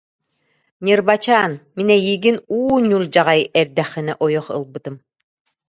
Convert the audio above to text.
Ньырбачаан, мин эйиигин уу ньулдьаҕай эрдэххинэ ойох ылбытым